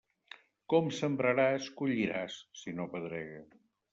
Com sembraràs, colliràs, si no pedrega.